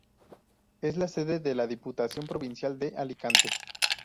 Es la sede de la Diputación Provincial de Alicante.